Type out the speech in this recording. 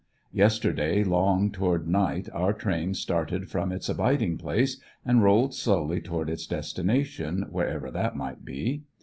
Yesterday long toward night our train started from its abiding place and rolled slowly toward its destination, wher ever that might be.